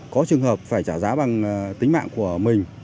có trường hợp phải trả giá bằng tính mạng của mình